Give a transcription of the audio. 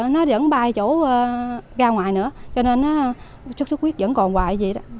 nó vẫn bay chỗ ra ngoài nữa cho nên chất sức huyết vẫn còn hoài vậy đó